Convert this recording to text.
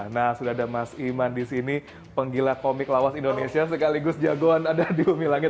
nah sudah ada mas iman di sini penggila komik lawas indonesia sekaligus jagoan ada di umi langit